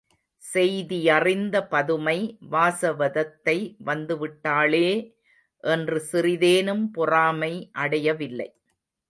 செய்தியறிந்த பதுமை, வாசவதத்தை வந்துவிட்டாளே! என்று சிறிதேனும் பொறாமை அடையவில்லை.